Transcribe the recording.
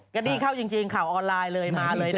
ก็ดี้เข้าจริงข่าวออนไลน์เลยมาเลย